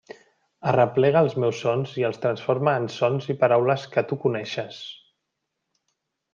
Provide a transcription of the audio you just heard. Arreplega els meus sons i els transforma en sons i paraules que tu coneixes.